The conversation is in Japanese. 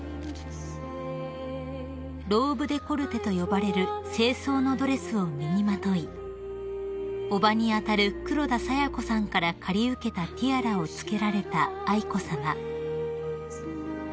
［ローブデコルテと呼ばれる正装のドレスを身にまとい叔母に当たる黒田清子さんから借り受けたティアラを着けられた愛子さま］